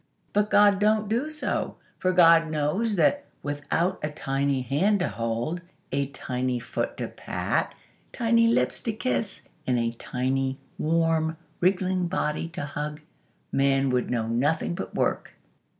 But God don't do so; for God knows that, without a tiny hand to hold, a tiny foot to pat, tiny lips to kiss, and a tiny, warm, wriggling body to hug, Man would know nothing but work."